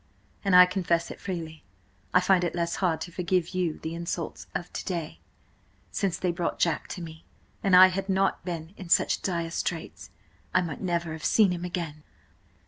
And, I confess it freely, I find it less hard to forgive you the insults of–of to day, since they brought–Jack–to me. An I had not been in such dire straits, I might never have seen him again."